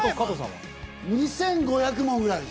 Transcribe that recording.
２５００問ぐらい。